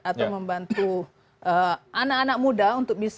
atau membantu anak anak muda untuk bisa